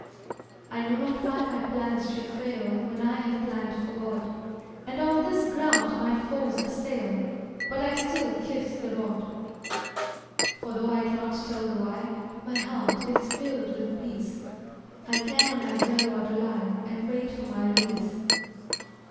I know not why my plans should fail When I have plan'd for God, And on this ground my foes assail, But I still kiss the rod, For tho' I cannot tell the why My heart is filled with peace; I can on my dear Lord rely, And wait for my release.